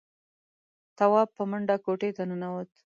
تواب په منډه کوټې ته ننوت.